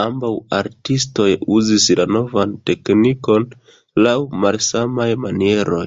Ambaŭ artistoj uzis la novan teknikon laŭ malsamaj manieroj.